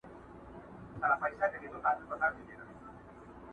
ورور د زور برخه ګرځي او خاموش پاتې کيږي،